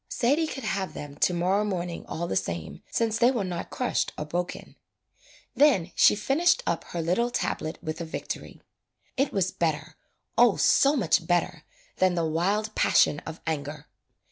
Sadie could have them to morrow morning all the same since they were not crushed or broken. Then she finished up her little tablet with a victory. It was better, oh so much better than the wild passion of anger.